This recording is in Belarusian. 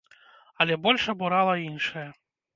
Але больш абурала іншае.